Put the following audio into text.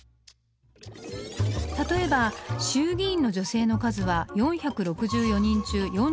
例えば衆議院の女性の数は４６４人中４６人。